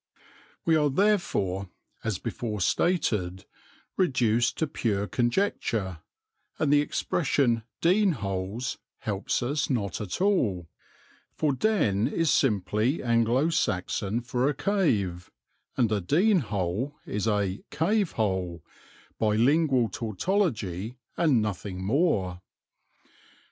We are therefore, as before stated, reduced to pure conjecture, and the expression "dene holes" helps us not at all; for denn is simply Anglo Saxon for a cave, and a dene hole is a "cave hole," bilingual tautology and nothing more.